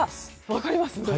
分かります？